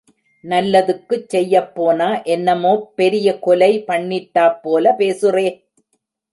நல்லதுக்குச் செய்யப்போனா என்னமோப் பெரிய கொலை பண்ணிட்டாப்போல பேசுறே!